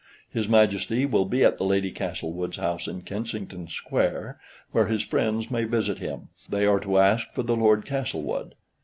His Majesty will be at the Lady Castlewood's house in Kensington Square, where his friends may visit him; they are to ask for the Lord Castlewood.